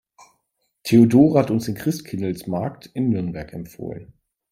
Theodora hat uns den Christkindlesmarkt in Nürnberg empfohlen.